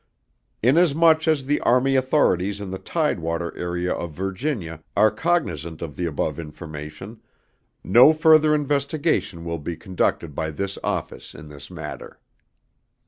Inasmuch as the Army authorities in the Tidewater Area of Virginia are cognizant of the above information, no further investigation will be conducted by this office in this matter.